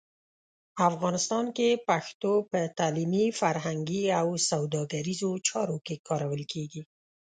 افغانستان کې پښتو په تعلیمي، فرهنګي او سوداګریزو چارو کې کارول کېږي.